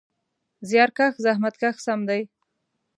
زیارکښ: زحمت کښ سم دی.